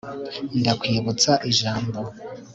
ndakwibutsa ijambo